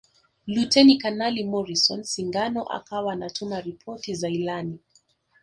Luteni Kanali Morrison Singano akawa anatuma ripoti za ilani